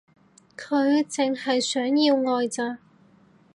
佢淨係想要愛咋